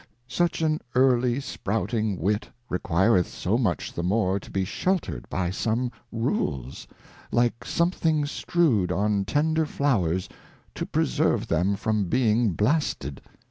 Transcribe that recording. ' Such an early sprouting Wit requireth so much the more to be sheltred by some Rules, like something strew'd on tender Flowers to preserve them from being blasted.